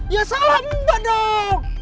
ya salah mbak dong